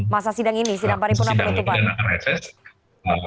masa sidang ini sidang paripurna penutupan